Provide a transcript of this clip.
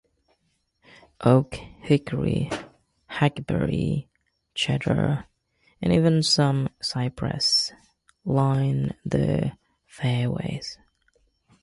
Oak, Hickory, Hackberry, Cedar and even some Cypress line the fairways.